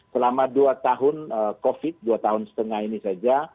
selama dua tahun covid dua tahun setengah ini saja